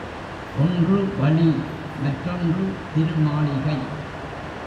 ஒன்று வழி மற்றொன்று திருமாளிகை.